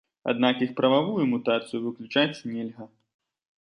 Аднак іх прававую мутацыю выключаць нельга.